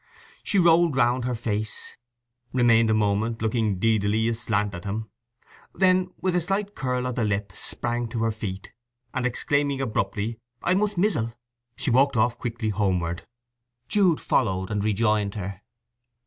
She rolled round her face, remained a moment looking deedily aslant at him; then with a slight curl of the lip sprang to her feet, and exclaiming abruptly "I must mizzle!" walked off quickly homeward. Jude followed and rejoined her.